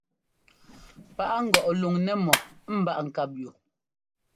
Paʼá ŋgɔʼ luŋ nɛ́mɔ ɛ́ ḿbaa ŋkáp yu.